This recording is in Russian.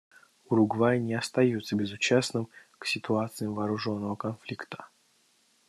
Уругвай не остается безучастным к ситуациям вооруженного конфликта.